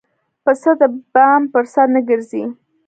پسه د بام پر سر نه ګرځي.